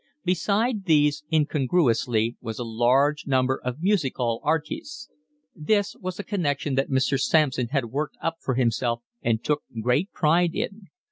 Beside these, incongruously, was a large number of music hall artistes. This was a connection that Mr. Sampson had worked up for himself and took great pride in.